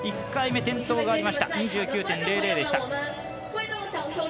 １回目、転倒がありまして２９．００でした。